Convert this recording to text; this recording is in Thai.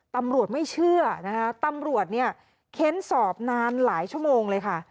ตำรวจไม่เชื่อนะคะตำรวจเนี่ยเค้นสอบนานหลายชั่วโมงเลยค่ะ